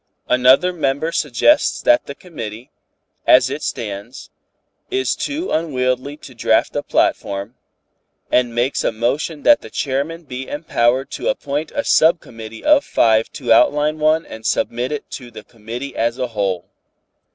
"Another member suggests that the committee, as it stands, is too unwieldy to draft a platform, and makes a motion that the chairman be empowered to appoint a sub committee of five to outline one and submit it to the committee as a whole.